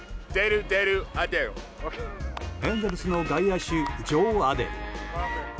エンゼルスの外野手ジョー・アデル。